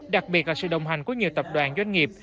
đặc biệt là sự đồng hành của nhiều tập đoàn doanh nghiệp